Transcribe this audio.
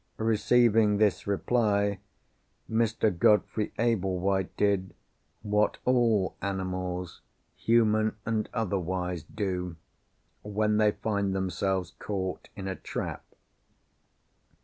Receiving this reply, Mr. Godfrey Ablewhite did, what all animals (human and otherwise) do, when they find themselves caught in a trap.